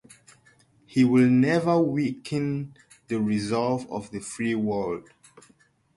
He will never weaken the resolve of the free world.